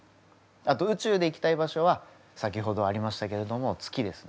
あと宇宙で行きたい場所は先ほどありましたけれども月ですね。